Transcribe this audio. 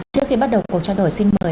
trước khi bắt đầu cuộc trao đổi xin mời